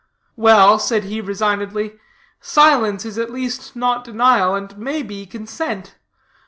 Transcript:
"Well," said he, resignedly, "silence is at least not denial, and may be consent.